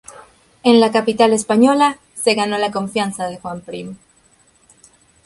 En la capital española se ganó la confianza de Juan Prim.